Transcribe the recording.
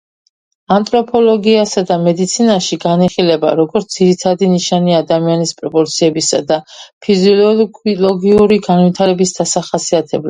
ანთროპოლოგიასა და მედიცინაში განიხილება, როგორც ძირითადი ნიშანი ადამიანის პროპორციებისა და ფიზიოლოგიური განვითარების დასახასიათებლად.